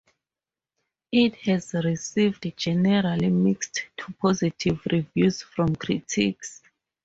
It has received generally mixed to positive reviews from critics.